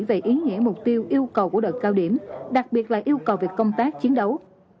về ý nghĩa mục tiêu yêu cầu của đợt cao điểm đặc biệt là yêu cầu về công tác chiến đấu